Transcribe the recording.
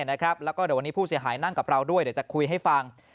แล้วก็เดี๋ยววันนี้ผู้เสียหายนั่งกับเราด้วยเดี๋ยวจะคุยให้ฟัง